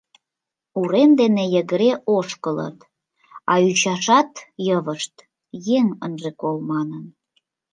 Урем дене йыгыре ошкылыт, а ӱчашат йывышт, еҥ ынже кол манын.